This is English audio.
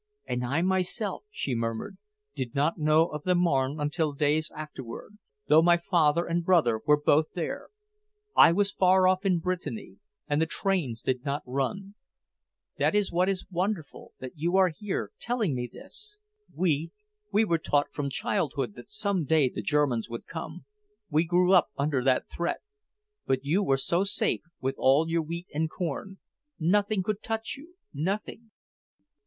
"And I myself," she murmured, "did not know of the Marne until days afterward, though my father and brother were both there! I was far off in Brittany, and the trains did not run. That is what is wonderful, that you are here, telling me this! We, we were taught from childhood that some day the Germans would come; we grew up under that threat. But you were so safe, with all your wheat and corn. Nothing could touch you, nothing!"